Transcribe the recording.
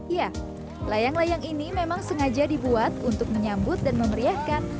ya layang layang ini memang sengaja dibuat untuk menyambut dan memeriahkan